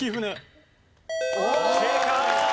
正解！